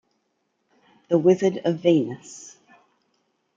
"The Wizard of Venus".